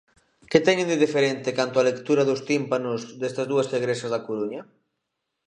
Que teñen de diferente, canto á lectura dos tímpanos, destas dúas igrexas da Coruña?